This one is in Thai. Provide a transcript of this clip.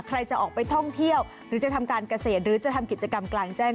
ใครจะออกไปท่องเที่ยวหรือจะทำการเกษตรหรือจะทำกิจกรรมกลางแจ้ง